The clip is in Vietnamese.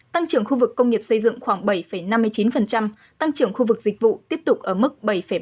tăng trưởng khu vực công nghiệp xây dựng khoảng bảy năm mươi chín tăng trưởng khu vực dịch vụ tiếp tục ở mức bảy ba